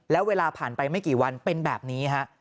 แล้วเวลาผ่านไปไม่กี่วันเป็นแบบนี้ฮะ